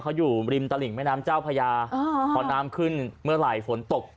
เขาอยู่ริมตลิ่งแม่น้ำเจ้าพญาพอน้ำขึ้นเมื่อไหร่ฝนตก